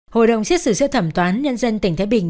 hội đồng xét xử sơ thẩm toán nhân dân tỉnh thái bình